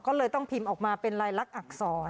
ก็เลยต้องพิมพ์ออกมาเป็นลายลักษณอักษร